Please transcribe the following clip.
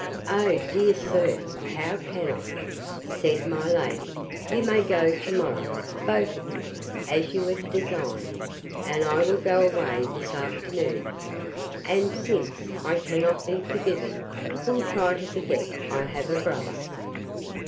Oh, dear sir, how can I?—Said my lady, You may go to morrow, both of you, as you had designed; and I will go away this afternoon: And, since I cannot be forgiven, will try to forget I have a brother.